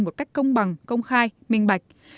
một cách công bằng công khai minh bạch